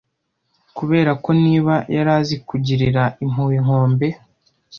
kuberako niba yari azi kugirira impuhwe inkombe